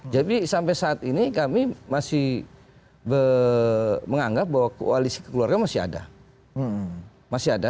jadi sampai saat ini kami masih menganggap bahwa koalisi kekeluargaan masih ada